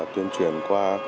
tuyên truyền qua